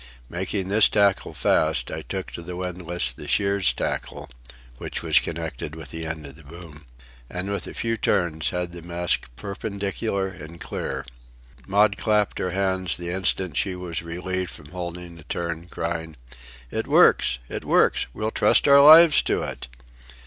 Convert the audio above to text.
Making this tackle fast, I took to the windlass the shears tackle (which was connected with the end of the boom), and with a few turns had the mast perpendicular and clear. Maud clapped her hands the instant she was relieved from holding the turn, crying: "It works! It works! We'll trust our lives to it!"